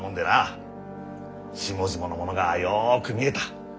下々の者がよく見えた。